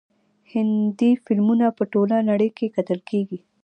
هندي فلمونه په ټوله نړۍ کې کتل کیږي.